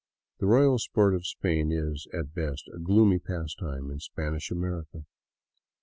The royal sport of Spain is, at best, a gloomy pastime in Span ish America.